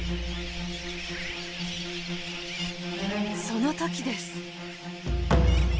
その時です。